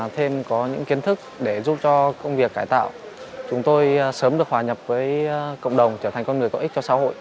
thêm có những kiến thức để giúp cho công việc cải tạo chúng tôi sớm được hòa nhập với cộng đồng trở thành con người có ích cho xã hội